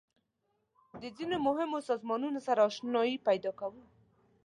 د ځینو مهمو سازمانونو سره آشنایي پیدا کوو.